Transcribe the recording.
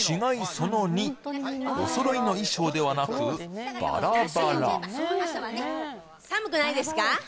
その２おそろいの衣装ではなくバラバラお寒い？